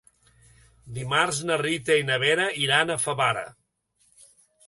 Dimarts na Rita i na Vera iran a Favara.